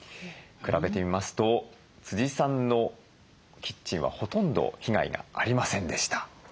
比べてみますとさんのキッチンはほとんど被害がありませんでした。